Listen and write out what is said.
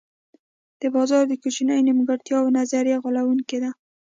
د بازار د کوچنیو نیمګړتیاوو نظریه غولوونکې ده.